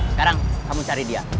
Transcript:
sekarang kamu cari dia